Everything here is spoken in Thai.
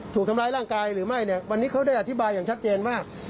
ถูกทำร้ายร่างกายหรือไม่เนี่ยวันนี้เขาได้อธิบายอย่างชัดเจนมาก